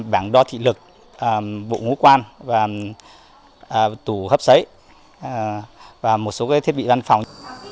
bảng đo thị lực bộ ngũ quan và tủ hấp xấy và một số thiết bị văn phòng